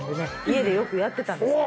家でよくやってたんですよ。